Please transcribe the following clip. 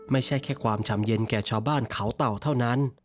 ไม่ใช่แค่ความฉ่ำเย็นแก่ชาวบ้านเขาเต่าเท่านั้น